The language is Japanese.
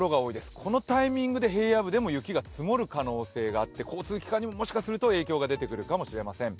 このタイミングで平野部でも雪が積もるおそれがあって交通機関にも、もしかすると影響が出てくるかもしれません。